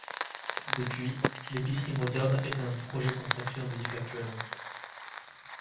Depuis, l'épicerie moderne est un projet consacré aux musiques actuelles.